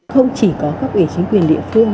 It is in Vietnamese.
không chỉ có các người chính quyền địa phương